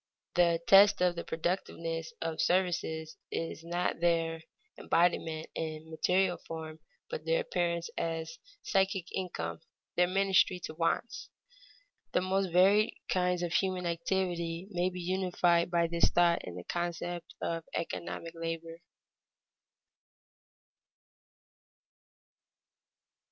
The test of the productiveness of services is not their embodiment in material form, but their appearance as psychic income, their ministry to wants. The most varied kinds of human activity may be unified by this thought in the concept of economic labor.